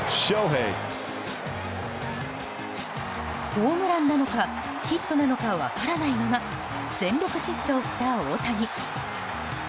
ホームランなのかヒットなのか分からないまま全力疾走した大谷。